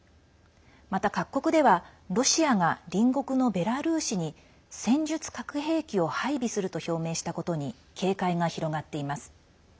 また、各国ではロシアが隣国のベラルーシに戦術核兵器を配備すると表明したことに警戒が広がっています。